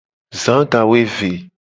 Za gawoeve.